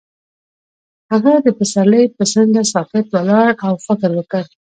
هغه د پسرلی پر څنډه ساکت ولاړ او فکر وکړ.